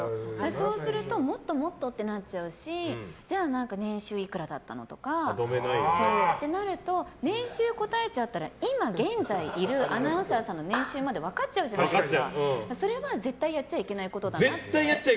そうするともっともっとってなっちゃうしじゃあ、年収いくらだったのとかってなると年収答えちゃったら今、現在いるアナウンサーさんの年収まで分かっちゃうじゃないですか。